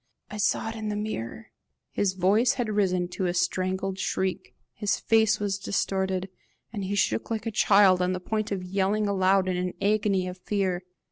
I saw it in the mirror!" His voice had risen to a strangled shriek, his face was distorted, and he shook like a child on the point of yelling aloud in an agony of fear.